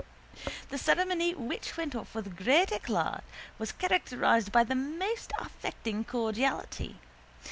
The ceremony which went off with great éclat was characterised by the most affecting cordiality.